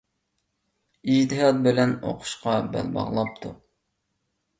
ئىجتىھات بىلەن ئوقۇشقا بەل باغلاپتۇ.